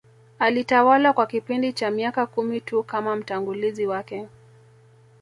Alitawala kwa kipindi cha miaka kumi tu kama mtangulizi wake